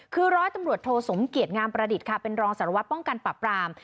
คือร้อยตำรวจโทสมเกียจงามประดิษฐ์ค่ะเป็นรองสารวัตรป้องกันปรับราม